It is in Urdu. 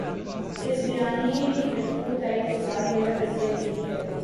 اس بیانیے کی بھرپور تائید کے ساتھ میرا تجزیہ یہی ہے